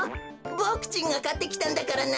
ボクちんがかってきたんだからな。